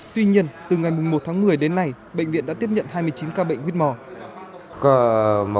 tuy nhiên từ ngày một tháng một mươi đến nay bệnh viện đã tiếp nhận hai mươi chín ca bệnh quýt mò